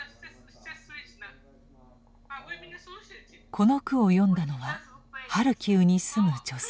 この句を詠んだのはハルキウに住む女性でした。